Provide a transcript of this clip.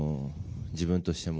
自分としても。